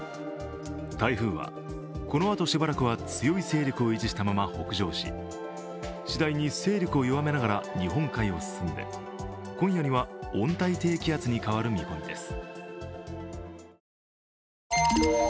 台風は、このあとしばらくは強い勢力を維持したまま北上し次第に勢力を弱めながら日本海を進んで今夜には温帯低気圧に変わる見込みです。